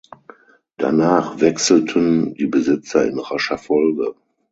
Danach wechselten die Besitzer in rascher Folge.